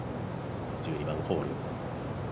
１２番ホール。